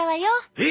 えっ！